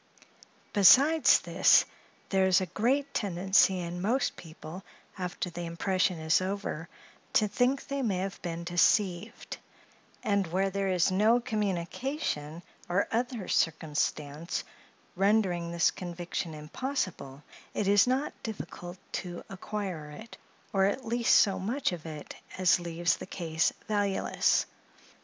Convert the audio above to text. Besides this, there is a great tendency in most people, after the impression is over, to think they may have been deceived; and where there is no communication or other circumstance rendering this conviction impossible, it is not difficult to acquire it, or at least so much of it as leaves the case valueless.